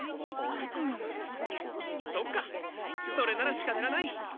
ふむそっかそれならしかたがない！